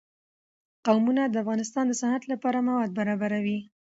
قومونه د افغانستان د صنعت لپاره مواد برابروي.